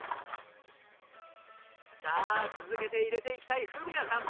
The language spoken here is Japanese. さあ続けて入れていきたい史哉さん。